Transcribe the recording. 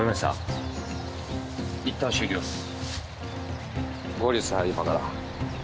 いったん終了です。